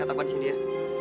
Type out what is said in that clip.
katakan sih dia